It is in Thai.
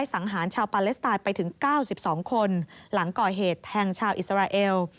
สังหารชาวปาเลสไตน์ไปถึง๙๒คนหลังก่อเหตุแทงชาวอิสราเอล